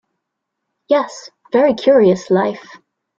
Yes; very curious life.